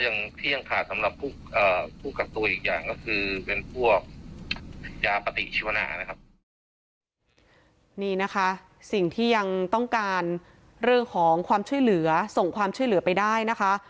นี่นะคะสิ่งที่ยังต้องการเรื่องของความช่วยเหลือส่งความช่วยเหลือไปได้นะคะ